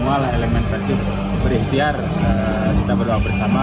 semualah elemen persib berikhtiar kita berdoa bersama